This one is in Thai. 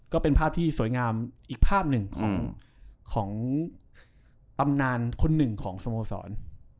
ก็เป็นภาพที่สวยงามอีกภาพหนึ่งของตำนานคนหนึ่งของสโมสร